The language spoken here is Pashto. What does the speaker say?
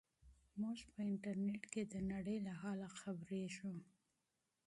موږ په انټرنیټ کې د نړۍ له حاله خبریږو.